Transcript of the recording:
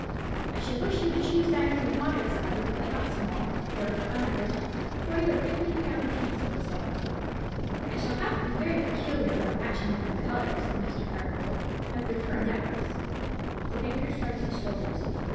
I should wish you to choose diamonds of moderate size, but not small; worth, on an average, forty or fifty pounds apiece, we'll say." "I shall have to be very particular about matching them in colour," said Mr. Hartgold, "as they're for a necklace." The banker shrugged his shoulders.